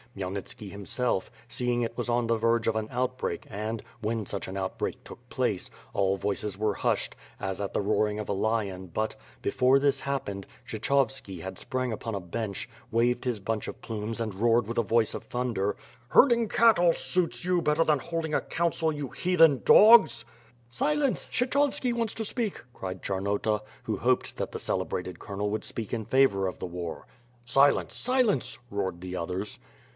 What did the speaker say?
Khmy elnitski himself, seeing it was on the verge of an outbreak and, when such an outbreak took place, all voices were hushed, a9 at the roaring of a lion but, before this happened, Kshe 328 ^^^^^^^^^^^ iSWOiJD. chovski had sprang upon a bench, waved his bunch of plumes and roared with a voice of thunder: "Herding cattle suits you better than holding a council, you Heathen dogs." "Silence, Kshechovski wants to speak," cried Charnota, who hoped that the celebrated colonel would speak in favor of the war. Silence! Silence," roared the others.